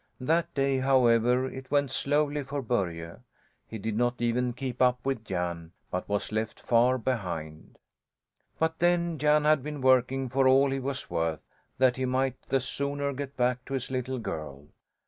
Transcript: That day, however, it went slowly for Börje; he did not even keep up with Jan, but was left far behind. But then Jan had been working for all he was worth, that he might the sooner get back to his little girl.